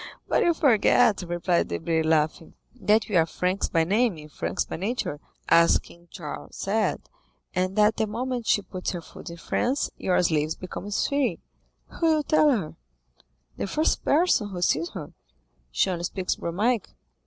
"But you forget," replied Debray, laughing, "that we are Franks by name and franks by nature, as King Charles said, and that the moment she puts her foot in France your slave becomes free." "Who will tell her?" "The first person who sees her." "She only speaks Romaic."